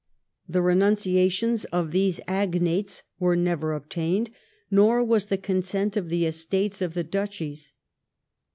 The renunciations of these '* agnates " were never obtained^ nor was the consent of the Estates of the Duchies.